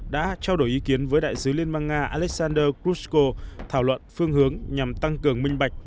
đã trao đổi ý kiến với đại sứ liên bang nga alexander grushko thảo luận phương hướng nhằm tăng cường minh bạch